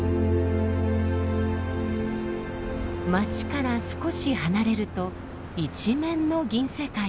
街から少し離れると一面の銀世界。